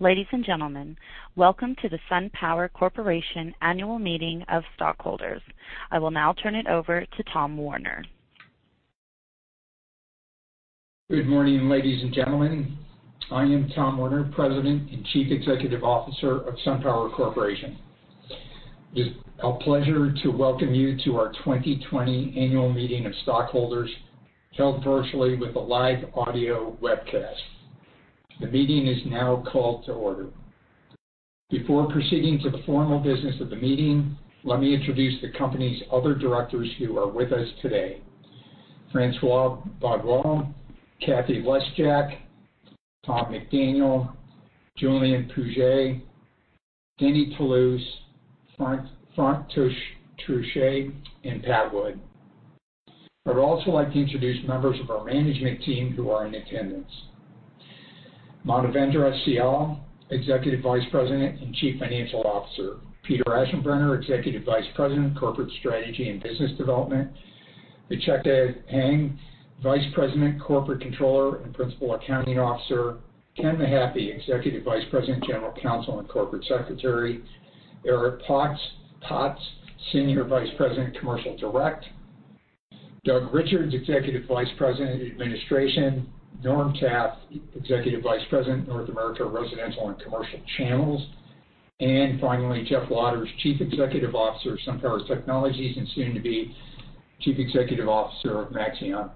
Ladies and gentlemen, welcome to the SunPower Corporation Annual Meeting of Stockholders. I will now turn it over to Tom Werner. Good morning, ladies and gentlemen. I am Tom Werner, President and Chief Executive Officer of SunPower Corporation. It is our pleasure to welcome you to our 2020 Annual Meeting of Stockholders, held virtually with a live audio webcast. The meeting is now called to order. Before proceeding to the formal business of the meeting, let me introduce the company's other directors who are with us today. François Badoual, Cathie Lesjak, Tom McDaniel, Julien Pouget, Denis Toulouse, Franck Trochet, and Pat Wood. I would also like to introduce members of our management team who are in attendance. Manavendra Sial, Executive Vice President and Chief Financial Officer. Peter Aschenbrenner, Executive Vice President, Corporate Strategy and Business Development. Vichheka Peng, Vice President, Corporate Controller, and Principal Accounting Officer. Ken Mahaffey, Executive Vice President, General Counsel, and Corporate Secretary. Eric Potts, Senior Vice President, Commercial Direct. Doug Richards, Executive Vice President, Administration. Norm Taffe, Executive Vice President, North America Residential and Commercial Channels. Finally, Jeff Waters, Chief Executive Officer of SunPower Technologies and soon-to-be Chief Executive Officer of Maxeon.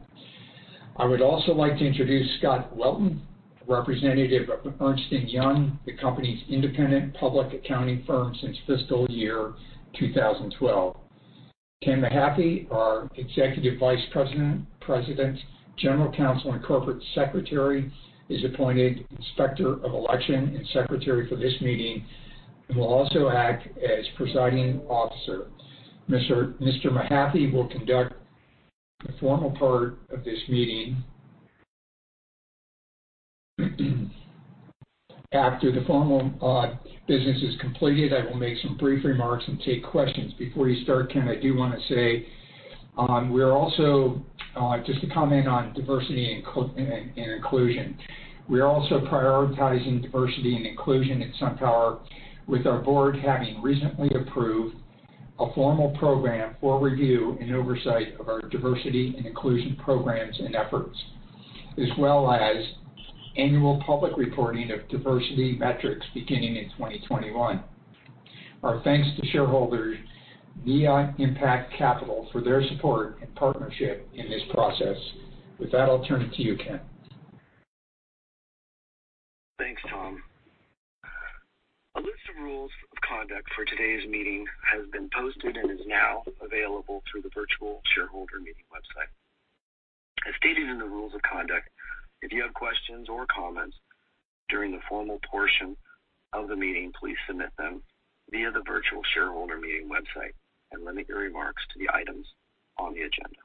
I would also like to introduce Scott Welton, Representative of Ernst & Young, the company's independent public accounting firm since fiscal year 2012. Ken Mahaffey, our Executive Vice President, General Counsel, and Corporate Secretary, is appointed Inspector of Election and Secretary for this meeting, and will also act as presiding officer. Mr. Mahaffey will conduct the formal part of this meeting. After the formal business is completed, I will make some brief remarks and take questions. Before you start, Ken, I do want to say, just to comment on diversity and inclusion. We are also prioritizing diversity and inclusion at SunPower, with our board having recently approved a formal program for review and oversight of our diversity and inclusion programs and efforts, as well as annual public reporting of diversity metrics beginning in 2021. Our thanks to shareholders Nia Impact Capital for their support and partnership in this process. With that, I'll turn it to you, Ken. Thanks, Tom. A list of rules of conduct for today's meeting has been posted and is now available through the virtual shareholder meeting website. As stated in the rules of conduct, if you have questions or comments during the formal portion of the meeting, please submit them via the virtual shareholder meeting website and limit your remarks to the items on the agenda.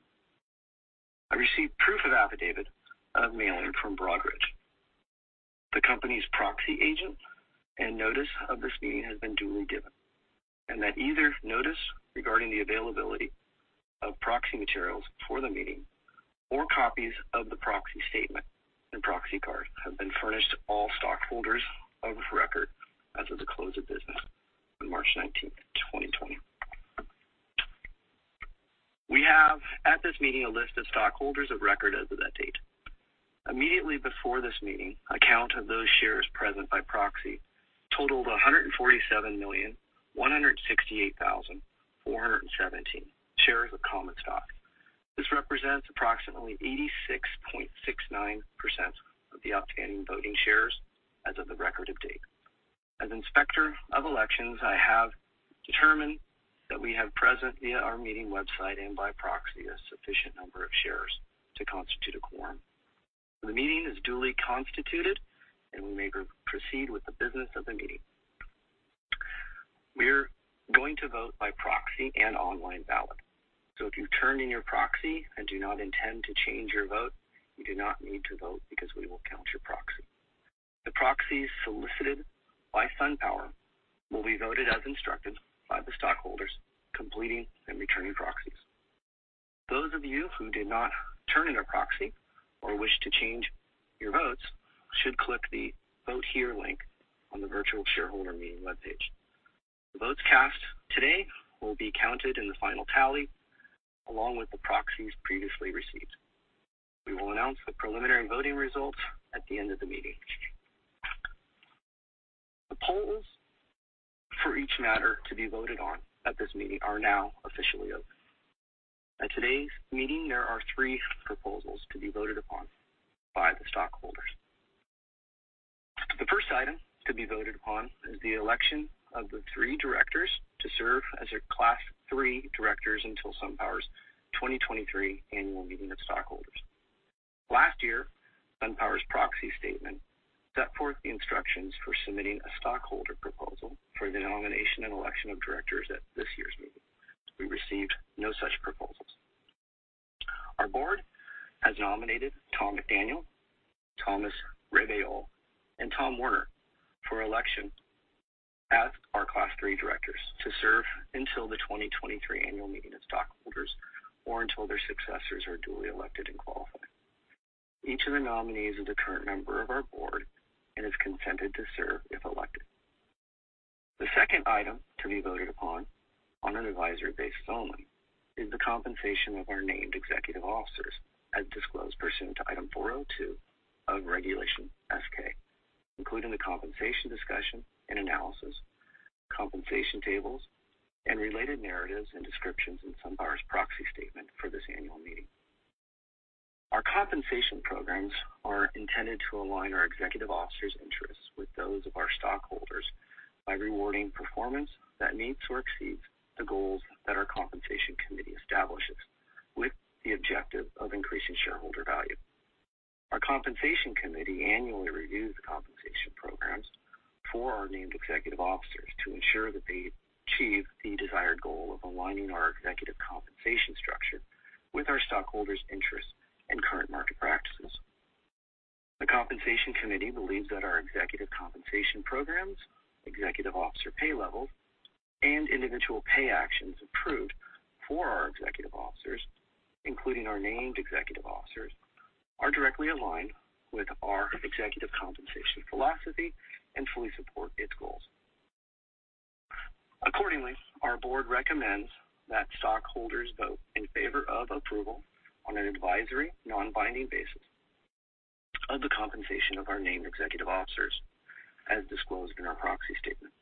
I received proof of affidavit of mailing from Broadridge, the company's proxy agent, and notice of this meeting has been duly given. That either notice regarding the availability of proxy materials for the meeting or copies of the proxy statement and proxy card have been furnished to all stockholders of record as of the close of business on March 19, 2020. We have at this meeting a list of stockholders of record as of that date. Immediately before this meeting, a count of those shares present by proxy totaled 147,168,417 shares of common stock. This represents approximately 86.69% of the outstanding voting shares as of the record of date. As Inspector of Elections, I have determined that we have present via our meeting website and by proxy a sufficient number of shares to constitute a quorum. The meeting is duly constituted. We may proceed with the business of the meeting. We're going to vote by proxy and online ballot. If you turned in your proxy and do not intend to change your vote, you do not need to vote because we will count your proxy. The proxies solicited by SunPower will be voted as instructed by the stockholders completing and returning proxies. Those of you who did not turn in a proxy or wish to change your votes should click the Vote Here link on the virtual shareholder meeting webpage. The votes cast today will be counted in the final tally, along with the proxies previously received. We will announce the preliminary voting results at the end of the meeting. The polls for each matter to be voted on at this meeting are now officially open. At today's meeting, there are three proposals to be voted upon by the stockholders. The first item to be voted upon is the election of the three directors to serve as your class 3 directors until SunPower's 2023 annual meeting of stockholders. Last year, SunPower's proxy statement set forth the instructions for submitting a stockholder proposal for the nomination and election of directors at this year's meeting. We received no such proposals. Our board has nominated Tom McDaniel, Thomas Rabeaux, and Tom Werner for election. Three directors to serve until the 2023 annual meeting of stockholders or until their successors are duly elected and qualified. Each of the nominees is a current member of our board and has consented to serve if elected. The second item to be voted upon on an advisory basis only is the compensation of our named executive officers as disclosed pursuant to Item 402 of Regulation S-K, including the compensation discussion and analysis, compensation tables, and related narratives and descriptions in SunPower's proxy statement for this annual meeting. Our compensation programs are intended to align our executive officers' interests with those of our stockholders by rewarding performance that meets or exceeds the goals that our compensation committee establishes, with the objective of increasing shareholder value. Our compensation committee annually reviews the compensation programs for our named executive officers to ensure that they achieve the desired goal of aligning our executive compensation structure with our stockholders' interests and current market practices. The compensation committee believes that our executive compensation programs, executive officer pay levels, and individual pay actions approved for our executive officers, including our named executive officers, are directly aligned with our executive compensation philosophy and fully support its goals. Accordingly, our board recommends that stockholders vote in favor of approval on an advisory, non-binding basis of the compensation of our named executive officers as disclosed in our proxy statement.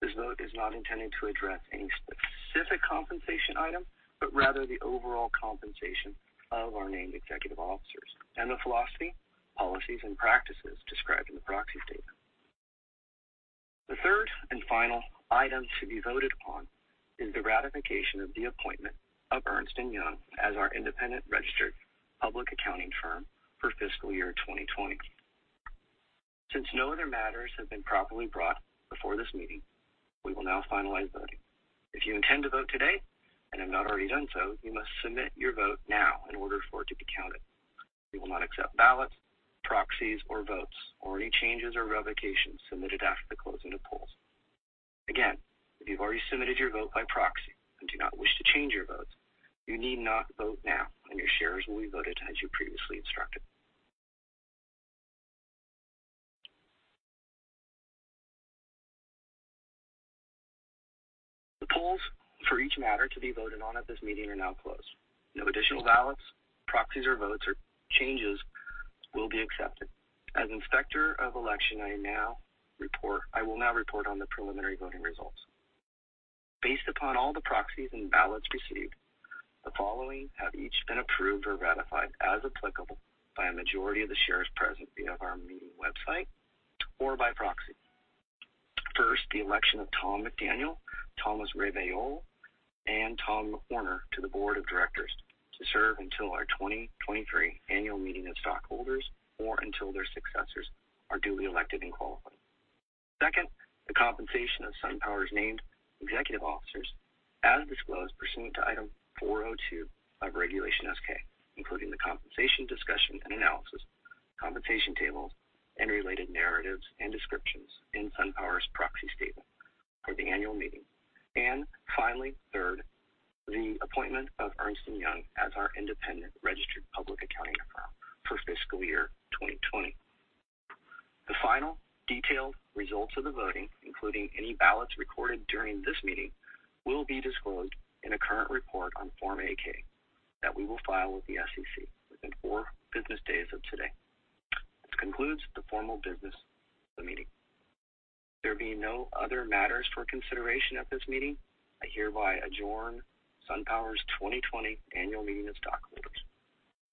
This vote is not intended to address any specific compensation item, but rather the overall compensation of our named executive officers and the philosophy, policies, and practices described in the proxy statement. The third and final item to be voted on is the ratification of the appointment of Ernst & Young as our independent registered public accounting firm for fiscal year 2020. Since no other matters have been properly brought before this meeting, we will now finalize voting. If you intend to vote today and have not already done so, you must submit your vote now in order for it to be counted. We will not accept ballots, proxies or votes or any changes or revocations submitted after the closing of polls. Again, if you've already submitted your vote by proxy and do not wish to change your vote, you need not vote now, and your shares will be voted as you previously instructed. The polls for each matter to be voted on at this meeting are now closed. No additional ballots, proxies, or votes or changes will be accepted. As Inspector of Election, I will now report on the preliminary voting results. Based upon all the proxies and ballots received, the following have each been approved or ratified as applicable by a majority of the shares present via our meeting website or by proxy. First, the election of Tom McDaniel, Thomas Rabeaux, and Tom Werner to the Board of Directors to serve until our 2023 annual meeting of stockholders or until their successors are duly elected and qualified. Second, the compensation of SunPower's named executive officers as disclosed pursuant to Item 402 of Regulation S-K, including the compensation discussion and analysis, compensation tables, and related narratives and descriptions in SunPower's proxy statement for the annual meeting. Finally, third, the appointment of Ernst & Young as our independent registered public accounting firm for fiscal year 2020. The final detailed results of the voting, including any ballots recorded during this meeting, will be disclosed in a current report on Form 8-K that we will file with the SEC within four business days of today. This concludes the formal business of the meeting. There being no other matters for consideration at this meeting, I hereby adjourn SunPower's 2020 annual meeting of stockholders.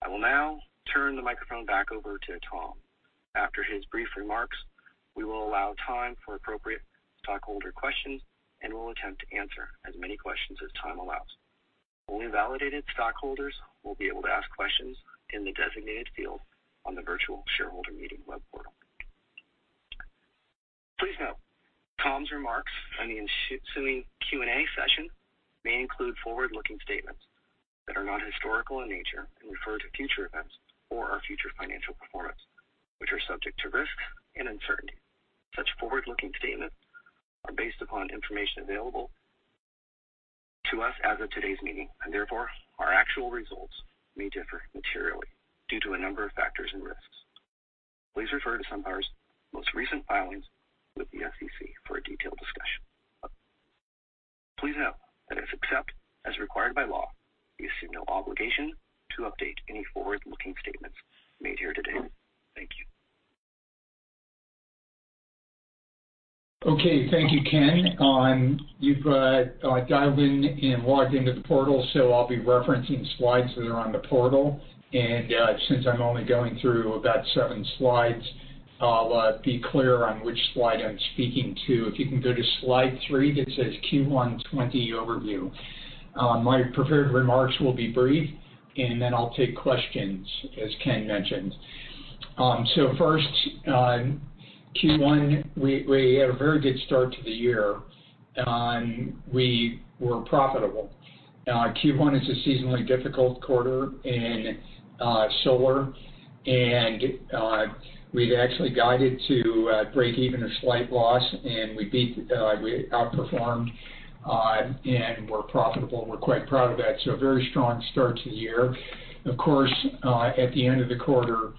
I will now turn the microphone back over to Tom. After his brief remarks, we will allow time for appropriate stockholder questions and will attempt to answer as many questions as time allows. Only validated stockholders will be able to ask questions in the designated field on the virtual shareholder meeting web portal. Please note, Tom's remarks and the ensuing Q&A session may include forward-looking statements that are not historical in nature and refer to future events or our future financial performance, which are subject to risks and uncertainty. Therefore our actual results may differ materially due to a number of factors and risks. Please refer to SunPower's most recent filings with the SEC for a detailed discussion. Please note that except as required by law, we assume no obligation to update any forward-looking statements made here today. Thank you. Okay. Thank you, Ken. You've dialed in and logged into the portal. I'll be referencing slides that are on the portal. Since I'm only going through about seven slides, I'll be clear on which slide I'm speaking to. If you can go to slide three that says Q1 2020 Overview. My prepared remarks will be brief. I'll take questions, as Ken mentioned. First, Q1, we had a very good start to the year. We were profitable. Q1 is a seasonally difficult quarter in solar. We've actually guided to breakeven or slight loss, and we outperformed, and we're profitable. We're quite proud of that. A very strong start to the year. Of course, at the end of the quarter,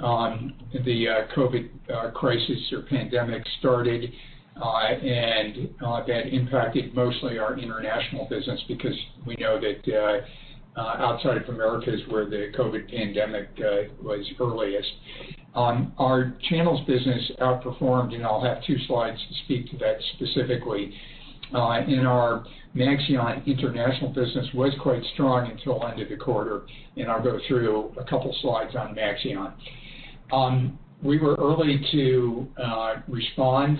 the COVID crisis or pandemic started. That impacted mostly our international business because we know that outside of Americas is where the COVID pandemic was earliest. Our channels business outperformed. I'll have two slides to speak to that specifically. Our Maxeon international business was quite strong until the end of the quarter. I'll go through a couple slides on Maxeon. We were early to respond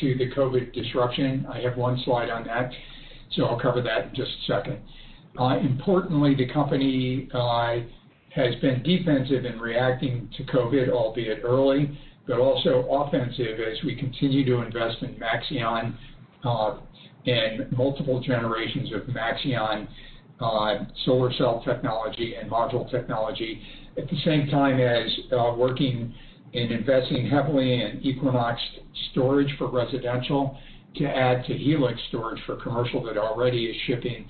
to the COVID disruption. I have one slide on that. I'll cover that in just a second. Importantly, the company has been defensive in reacting to COVID, albeit early, but also offensive as we continue to invest in Maxeon and multiple generations of Maxeon solar cell technology and module technology, at the same time as working and investing heavily in Equinox Storage for residential to add to Helix Storage for commercial that already is shipping.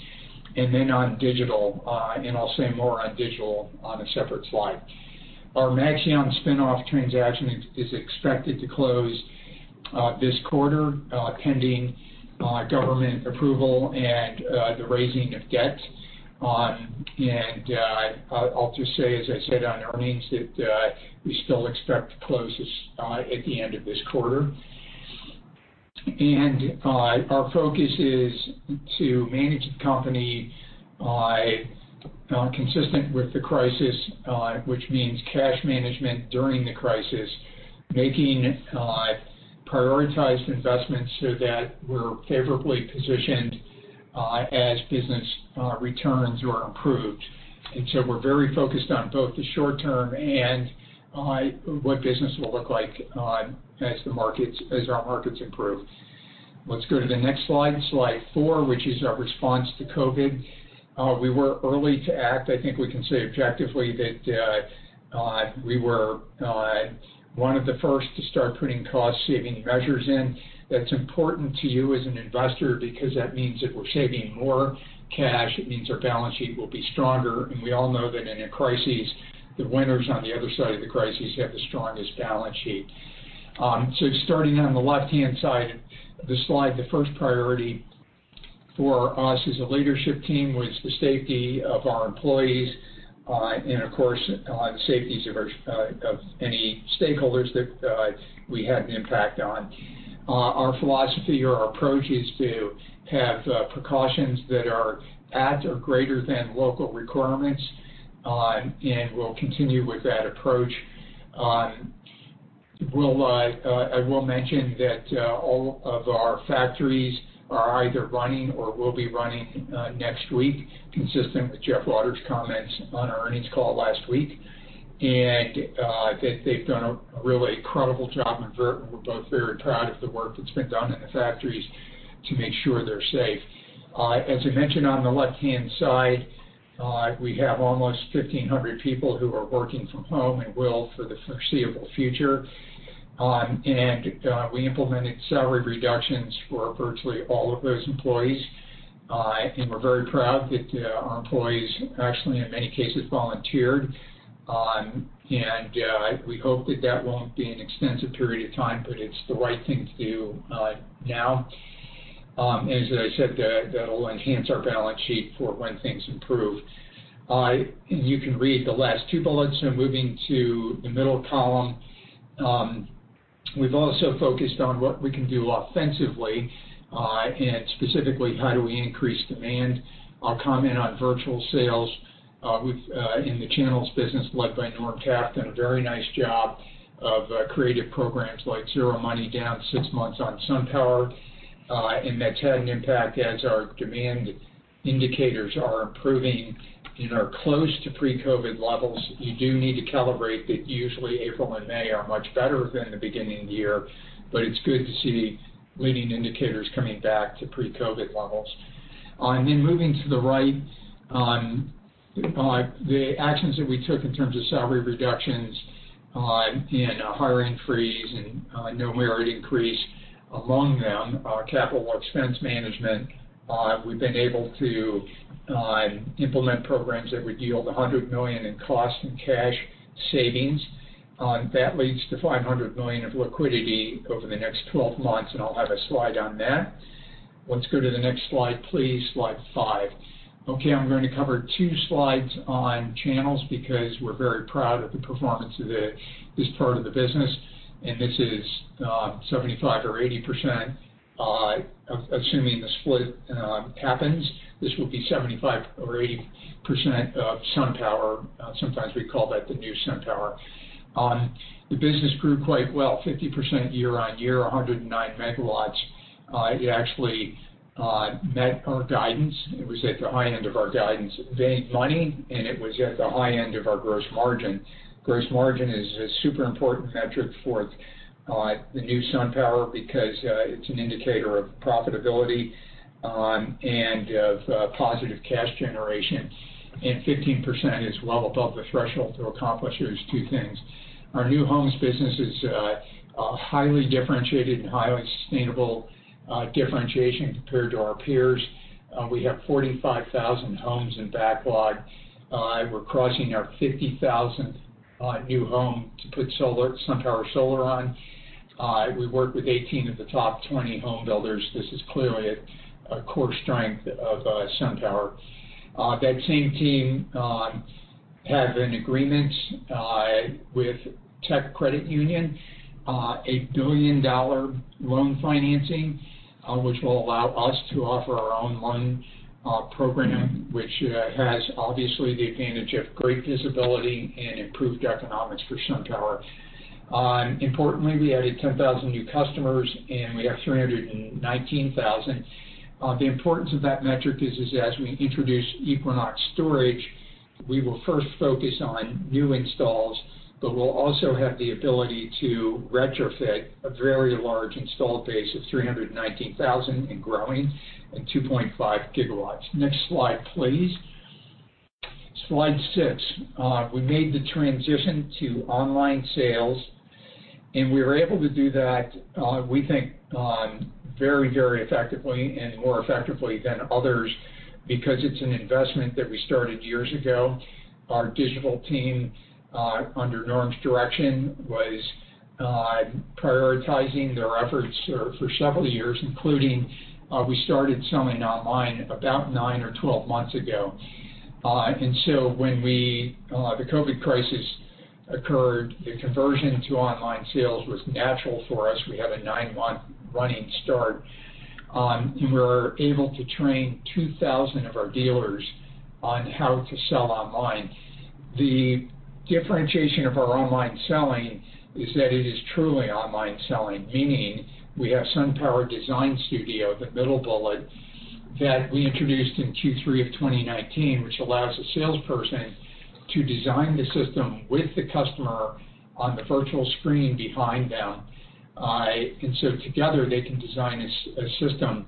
On digital, I'll say more on digital on a separate slide. Our Maxeon spin-off transaction is expected to close this quarter, pending government approval and the raising of debt. I'll just say, as I said on earnings, that we still expect to close this at the end of this quarter. Our focus is to manage the company consistent with the crisis, which means cash management during the crisis, making prioritized investments so that we're favorably positioned as business returns or improves. We're very focused on both the short term and what business will look like as our markets improve. Let's go to the next slide four, which is our response to COVID. We were early to act. I think we can say objectively that we were one of the first to start putting cost-saving measures in. That's important to you as an investor because that means if we're saving more cash, it means our balance sheet will be stronger. We all know that in a crisis, the winners on the other side of the crisis have the strongest balance sheet. Starting on the left-hand side of the slide, the first priority for us as a leadership team was the safety of our employees and, of course, the safety of any stakeholders that we had an impact on. Our philosophy or our approach is to have precautions that are at or greater than local requirements, and we'll continue with that approach. I will mention that all of our factories are either running or will be running next week, consistent with Jeff Waters' comments on our earnings call last week. They've done a really incredible job, and we're both very proud of the work that's been done in the factories to make sure they're safe. As I mentioned, on the left-hand side, we have almost 1,500 people who are working from home and will for the foreseeable future. We implemented salary reductions for virtually all of those employees. We're very proud that our employees actually, in many cases, volunteered, and we hope that that won't be an extensive period of time, but it's the right thing to do now. As I said, that'll enhance our balance sheet for when things improve. You can read the last two bullets, so moving to the middle column. We've also focused on what we can do offensively and specifically how do we increase demand. I'll comment on virtual sales in the channels business led by Norm Taff, done a very nice job of creative programs like zero money down, six months on SunPower. That's had an impact as our demand indicators are improving and are close to pre-COVID levels. You do need to calibrate that usually April and May are much better than the beginning of the year, but it's good to see leading indicators coming back to pre-COVID levels. Moving to the right, the actions that we took in terms of salary reductions and a hiring freeze and no merit increase. Among them, our capital expense management, we've been able to implement programs that would yield $100 million in cost and cash savings. That leads to $500 million of liquidity over the next 12 months, and I'll have a slide on that. Let's go to the next slide, please, slide five. Okay, I'm going to cover two slides on channels because we're very proud of the performance of this part of the business, and this is 75 or 80%, assuming the split happens, this will be 75 or 80% of SunPower. Sometimes we call that the new SunPower. The business grew quite well, 50% year-over-year, 109 MW. It actually met our guidance. It was at the high end of our guidance. It made money, and it was at the high end of our gross margin. Gross margin is a super important metric for the new SunPower because it's an indicator of profitability of positive cash generation, and 15% is well above the threshold to accomplish those two things. Our new homes business is highly differentiated and highly sustainable differentiation compared to our peers. We have 45,000 homes in backlog. We're crossing our 50,000th new home to put SunPower solar on. We work with 18 of the top 20 home builders. This is clearly a core strength of SunPower. That same team has an agreement with Tech Credit Union, a billion-dollar loan financing, which will allow us to offer our own loan program, which has obviously the advantage of great visibility and improved economics for SunPower. Importantly, we added 10,000 new customers, and we have 319,000. The importance of that metric is as we introduce Equinox Storage, we will first focus on new installs, but we'll also have the ability to retrofit a very large installed base of 319,000 and growing and 2.5 gigawatts. Next slide, please. Slide six. We made the transition to online sales, and we were able to do that, we think, very, very effectively and more effectively than others because it's an investment that we started years ago. Our digital team under Norm's direction was prioritizing their efforts for several years, including we started selling online about nine or 12 months ago. When the COVID crisis occurred, the conversion to online sales was natural for us. We had a nine-month running start. We were able to train 2,000 of our dealers on how to sell online. The differentiation of our online selling is that it is truly online selling, meaning we have SunPower Design Studio, the middle bullet, that we introduced in Q3 of 2019, which allows a salesperson to design the system with the customer on the virtual screen behind them. Together, they can design a system.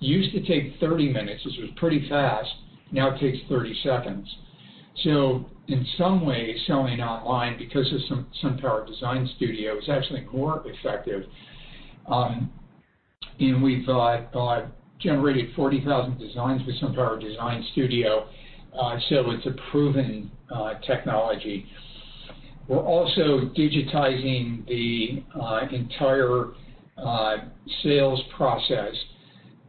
Used to take 30 minutes, which was pretty fast, now it takes 30 seconds. In some ways, selling online, because of SunPower Design Studio, is actually more effective. We've generated 40,000 designs with SunPower Design Studio, so it's a proven technology. We're also digitizing the entire sales process,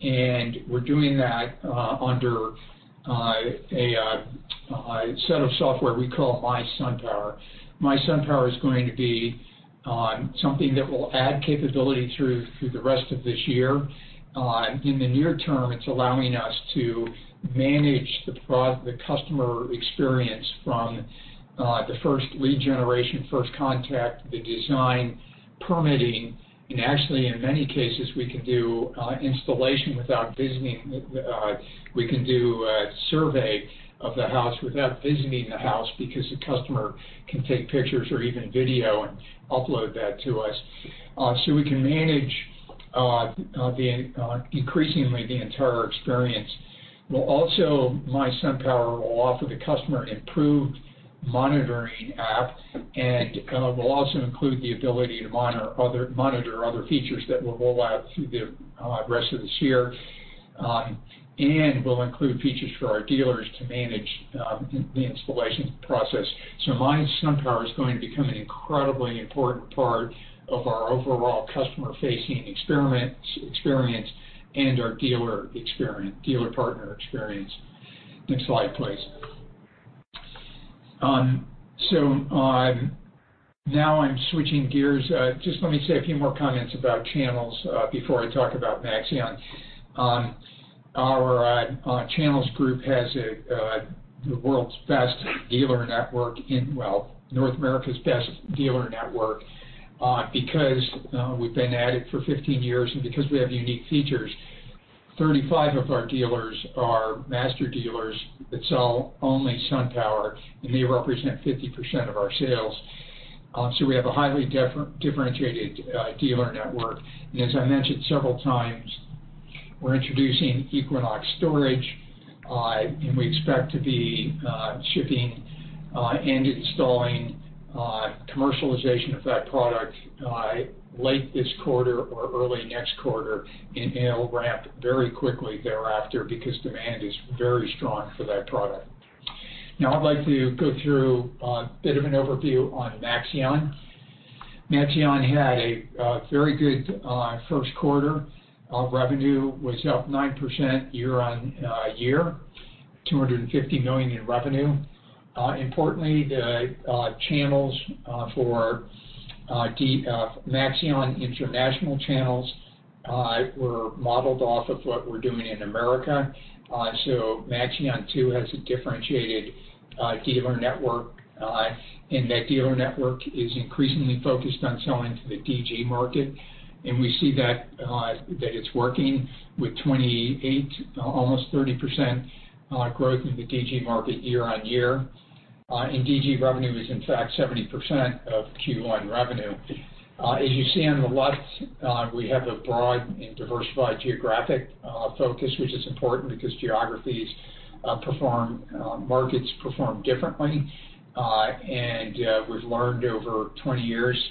and we're doing that under a set of software we call mySunPower. mySunPower is going to be something that will add capability through the rest of this year. In the near term, it's allowing us to manage the customer experience from the first lead generation, first contact, the design permitting, and actually in many cases, we can do installation without visiting. We can do a survey of the house without visiting the house because the customer can take pictures or even video and upload that to us. We can manage, increasingly, the entire experience. Also, mySunPower will offer the customer improved monitoring app and will also include the ability to monitor other features that we'll roll out through the rest of this year, and will include features for our dealers to manage the installation process. mySunPower is going to become an incredibly important part of our overall customer-facing experience and our dealer partner experience. Next slide, please. Now I'm switching gears. Just let me say a few more comments about Channels before I talk about Maxeon. Our Channels group has the world's best dealer network and, well, North America's best dealer network because we've been at it for 15 years and because we have unique features. 35 of our dealers are master dealers that sell only SunPower, and they represent 50% of our sales. We have a highly differentiated dealer network. As I mentioned several times, we're introducing Equinox Storage, and we expect to be shipping and installing commercialization of that product late this quarter or early next quarter, and it'll ramp very quickly thereafter because demand is very strong for that product. Now I'd like to go through a bit of an overview on Maxeon. Maxeon had a very good first quarter. Our revenue was up 9% year-over-year, $250 million in revenue. Importantly, the Channels for Maxeon International Channels were modeled off of what we're doing in America. Maxeon, too, has a differentiated dealer network, and that dealer network is increasingly focused on selling to the DG market. We see that it's working with 28, almost 30% growth in the DG market year-over-year. DG revenue is in fact 70% of Q1 revenue. As you see on the left, we have a broad and diversified geographic focus, which is important because geographies perform, markets perform differently. We've learned over 20 years,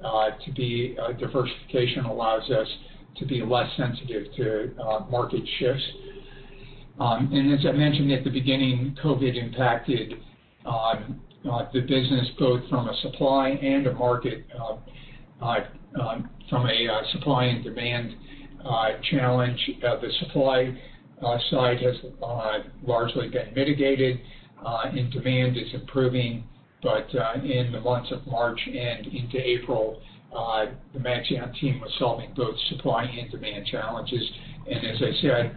diversification allows us to be less sensitive to market shifts. As I mentioned at the beginning, COVID impacted the business, both from a supply and a market, from a supply and demand challenge. The supply side has largely been mitigated, and demand is improving. in the months of March and into April, the Maxeon team was solving both supply and demand challenges. as I said,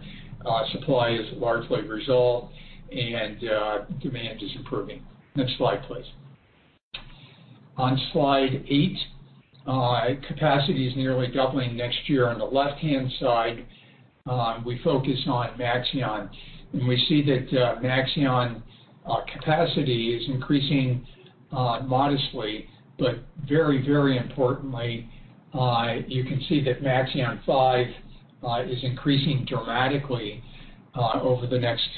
supply is largely resolved and demand is improving. Next slide, please. On slide eight, capacity is nearly doubling next year. On the left-hand side, we focus on Maxeon, and we see that Maxeon capacity is increasing modestly, but very, very importantly, you can see that Maxeon 5 is increasing dramatically over the next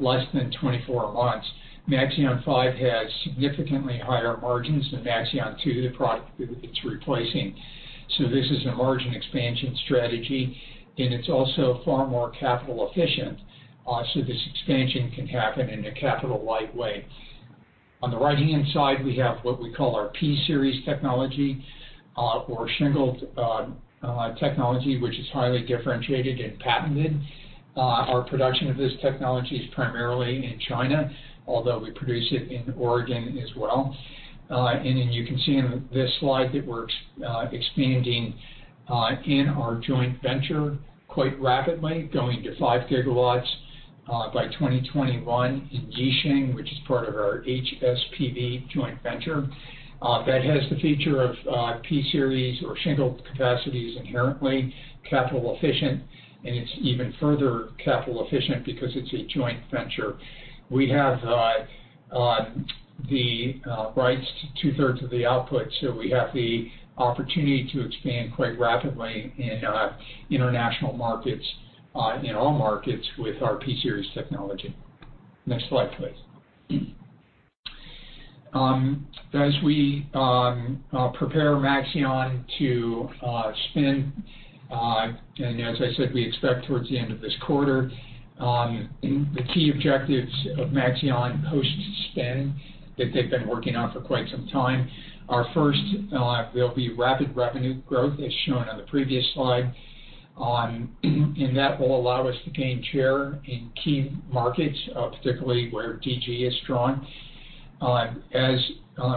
less than 24 months. Maxeon 5 has significantly higher margins than Maxeon 2, the product it's replacing. this is a margin expansion strategy, and it's also far more capital efficient. this expansion can happen in a capital-light way. On the right-hand side, we have what we call our P-Series technology, or shingled technology, which is highly differentiated and patented. Our production of this technology is primarily in China, although we produce it in Oregon as well. As you can see in this slide that we're expanding in our joint venture quite rapidly, going to five gigawatts by 2021 in Yixing, which is part of our HSPV joint venture. That has the feature of P-Series or shingled capacities, inherently capital efficient, and it's even further capital efficient because it's a joint venture. We have the rights to two-thirds of the output, so we have the opportunity to expand quite rapidly in international markets, in all markets with our P-Series technology. Next slide, please. As we prepare Maxeon to spin, and as I said, we expect towards the end of this quarter. The key objectives of Maxeon post-spin that they've been working on for quite some time, are first, there'll be rapid revenue growth as shown on the previous slide. That will allow us to gain share in key markets, particularly where DG is strong. As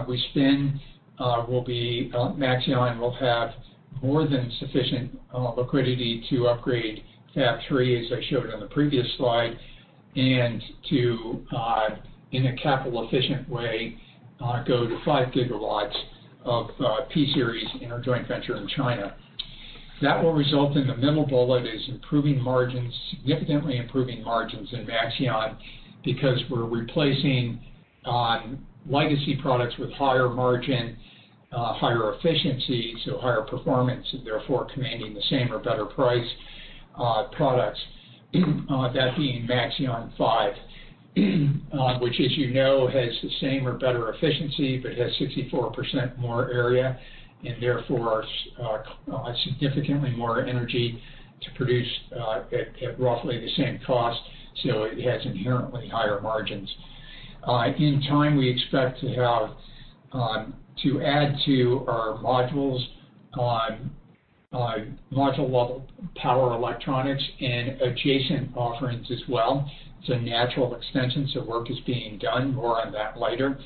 we spin, Maxeon will have more than sufficient liquidity to upgrade Fab 3, as I showed on the previous slide, and to, in a capital efficient way, go to five gigawatts of P-Series in our joint venture in China. That will result in the middle bullet is improving margins, significantly improving margins in Maxeon because we're replacing legacy products with higher margin, higher efficiency, so higher performance and therefore commanding the same or better price products. That being Maxeon 5, which as you know, has the same or better efficiency but has 64% more area and therefore significantly more energy to produce at roughly the same cost. So it has inherently higher margins. In time, we expect to add to our modules on module-level power electronics and adjacent offerings as well. It's a natural extension, so work is being done. More on that later.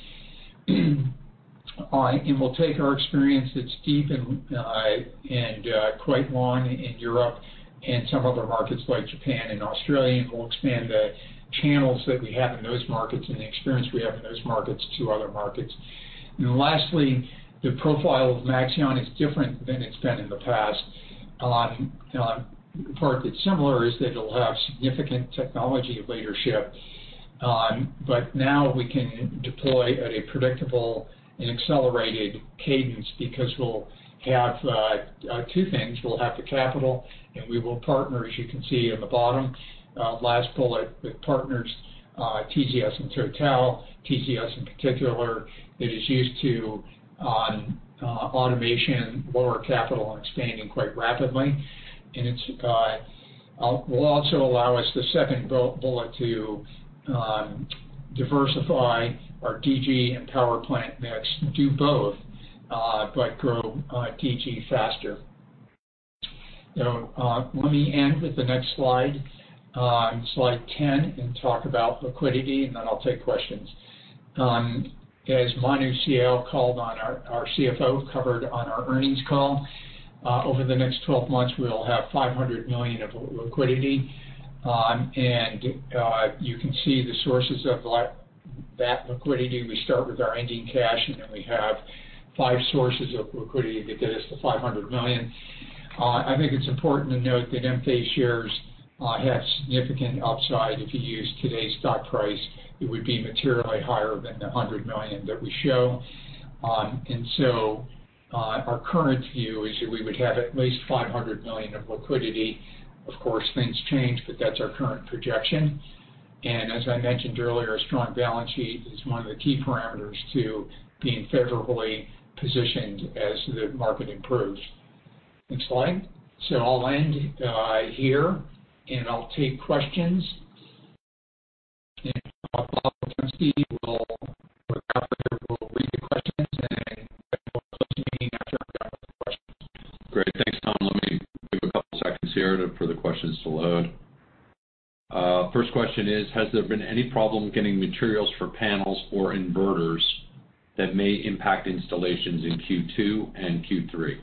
We'll take our experience that's deep and quite long in Europe and some other markets like Japan and Australia, and we'll expand the channels that we have in those markets and the experience we have in those markets to other markets. Lastly, the profile of Maxeon is different than it's been in the past. The part that's similar is that it'll have significant technology leadership. Now we can deploy at a predictable and accelerated cadence because we'll have two things. We'll have the capital, and we will partner, as you can see on the bottom last bullet, with partners TZS and Total. TZS in particular, that is used to automation, lower capital, and expanding quite rapidly. it will also allow us, the second bullet, to diversify our DG and power plant mix and do both, but grow DG faster. let me end with the next slide 10, and talk about liquidity, and then I'll take questions. As Manu Sial called on our CFO, covered on our earnings call, over the next 12 months, we'll have $500 million of liquidity. you can see the sources of that liquidity. We start with our ending cash, and then we have five sources of liquidity that get us to $500 million. I think it's important to note that Enphase shares have significant upside. If you use today's stock price, it would be materially higher than the $100 million that we show. our current view is that we would have at least $500 million of liquidity. Of course, things change, but that's our current projection. As I mentioned earlier, a strong balance sheet is one of the key parameters to being favorably positioned as the market improves. Next slide. I'll end here, and I'll take questions. Bob Okunskiwill read the questions, and then we'll close the meeting after I'm done with the questions. Great. Thanks, Tom. Let me give a couple seconds here for the questions to load. First question is: Has there been any problem getting materials for panels or inverters that may impact installations in Q2 and Q3?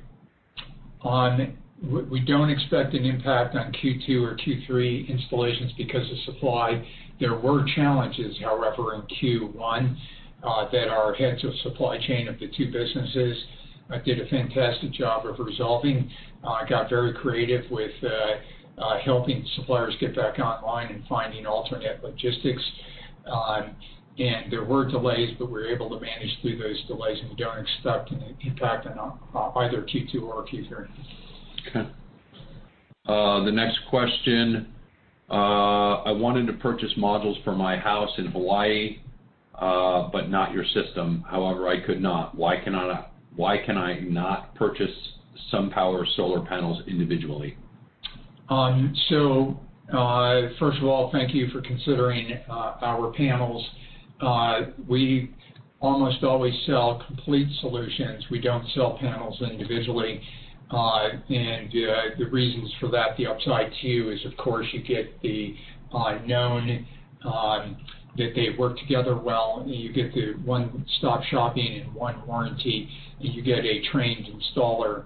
We don't expect an impact on Q2 or Q3 installations because of supply. There were challenges, however, in Q1 that our heads of supply chain of the two businesses did a fantastic job of resolving, got very creative with helping suppliers get back online and finding alternate logistics. There were delays, but we were able to manage through those delays, and we don't expect any impact on either Q2 or Q3. Okay. The next question: I wanted to purchase modules for my house in Hawaii, but not your system. However, I could not. Why can I not purchase SunPower solar panels individually? First of all, thank you for considering our panels. We almost always sell complete solutions. We don't sell panels individually. The reasons for that, the upside to you is, of course, you get the known that they work together well, and you get the one-stop shopping and one warranty, and you get a trained installer.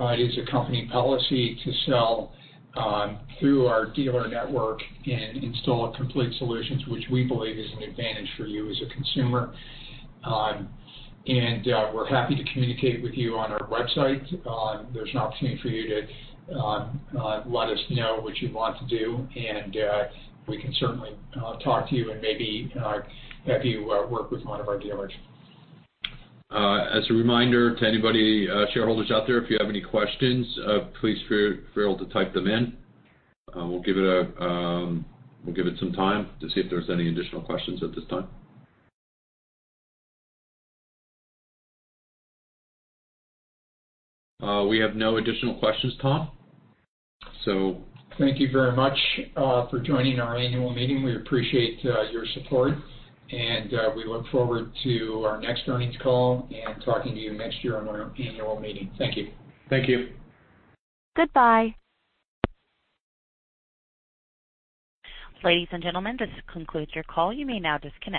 It is a company policy to sell through our dealer network and install complete solutions, which we believe is an advantage for you as a consumer. We're happy to communicate with you on our website. There's an opportunity for you to let us know what you want to do, and we can certainly talk to you and maybe have you work with one of our dealers. As a reminder to anybody, shareholders out there, if you have any questions, please feel free to type them in. We'll give it some time to see if there's any additional questions at this time. We have no additional questions, Tom, so Thank you very much for joining our annual meeting. We appreciate your support, and we look forward to our next earnings call and talking to you next year on our annual meeting. Thank you. Thank you. Goodbye. Ladies and gentlemen, this concludes your call. You may now disconnect.